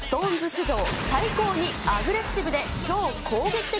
史上最高にアグレッシブで超攻撃的